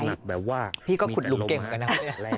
หนักแบบว่ามีแต่ลมมาก